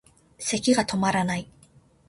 咳がとまらない